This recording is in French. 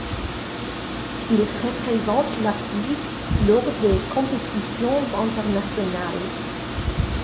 Il représente la Suisse lors des compétitions internationales.